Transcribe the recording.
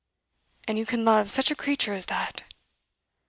'And you can love such a creature as that?